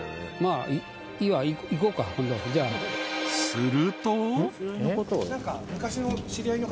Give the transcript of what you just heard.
［すると］